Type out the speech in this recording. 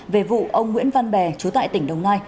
về vụ ông nguyễn văn bè trú tại tỉnh đồng nai